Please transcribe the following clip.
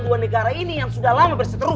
dua negara ini yang sudah lama berseteru